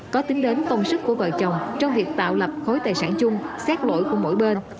có tính đến công sức của vợ chồng trong việc tạo lập khối tài sản chung xét lỗi của mỗi bên